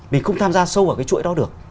mình không tham gia sâu vào cái chuỗi đó được